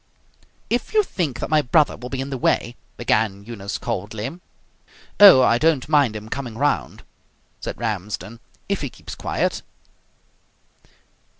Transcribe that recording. "If you think that my brother will be in the way " began Eunice coldly. "Oh, I don't mind him coming round," said Ramsden, "if he keeps quiet."